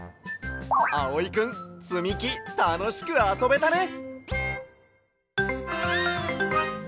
あおいくんつみきたのしくあそべたね！